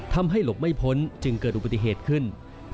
ทำให้หลบไม่พ้นจึงเกิดอุปติเหตุขึ้น